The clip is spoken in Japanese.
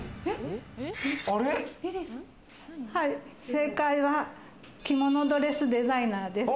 正解は着物ドレスデザイナーです。